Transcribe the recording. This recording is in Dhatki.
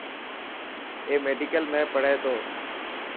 اي ميڊيڪل ۾ پهري تو.